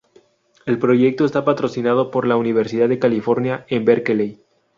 El proyecto está patrocinado por la Universidad de California en Berkeley.